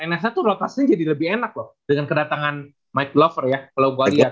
nsh tuh lokasinya jadi lebih enak loh dengan kedatangan mike glover ya kalau gue lihat